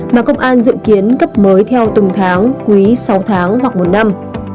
mà công an dự kiến cấp mới theo từng tháng quý sáu tháng hoặc một năm